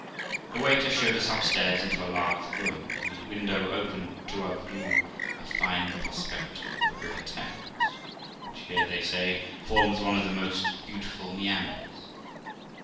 The waiter showed us upstairs into a large room, whose window opened to our view a fine prospect of the river Thames, which here, they say, forms one of the most beautiful meanders.